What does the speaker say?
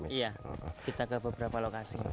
iya kita ke beberapa lokasi